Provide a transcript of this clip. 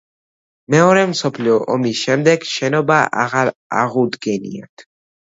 მეორე მსოფლიო ომის შემდეგ შენობა აღარ აღუდგენიათ.